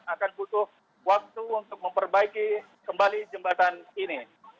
akan butuh waktu untuk memperbaiki kembali jembatan ini